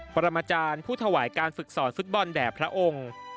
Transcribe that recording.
ประมาณจารย์ผู้ถวายการฝึกสอนฟุตบอลแด่พระองค์